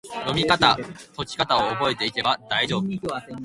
読みかた・解きかたを覚えていけば大丈夫！